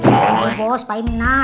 iya bos fahim nah